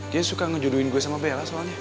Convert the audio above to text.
dia suka ngejodohin gue sama bella soalnya